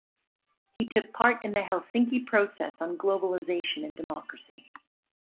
He took part in the Helsinki Process on Globalisation and Democracy.